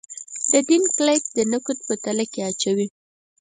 د دین کُلیت د نقد په تله کې اچوي.